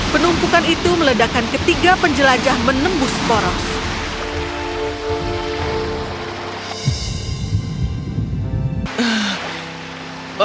penumpukan itu meledakan ketiga penjelajah menembus poros